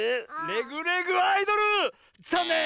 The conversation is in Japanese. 「レグ・レグ・アイドル」ざんねん！